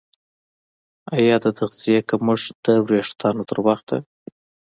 ایا د تغذیې کمښت د ویښتانو تر وخته